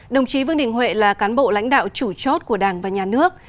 đồng chí vương đình huệ là cán bộ lãnh đạo chủ chốt của đảng và nhà nước